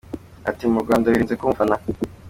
Ati “Mu Rwanda birenze kuba umufana.